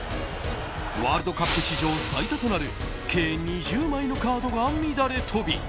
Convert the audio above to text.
ワールドカップ史上最多となる計２０枚のカードが乱れ飛び